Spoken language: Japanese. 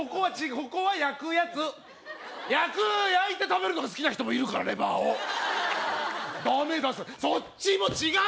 ここは焼くヤツ焼く焼いて食べるのが好きな人もいるからレバーをダメだってそっちも違う！